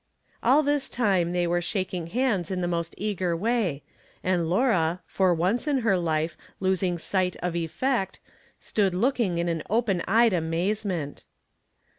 All this time they were shaking hands in the most eager way, and Laura, for once in her life, losing sight of effect, stood looking on in open eyed amazement.